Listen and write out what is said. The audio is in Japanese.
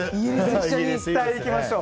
行きましょう！